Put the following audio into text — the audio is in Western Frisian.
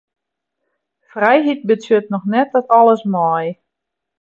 Frijheid betsjut noch net dat alles mei.